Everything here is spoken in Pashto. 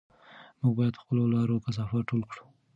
موږ باید د خپلو لارو کثافات ټول کړو.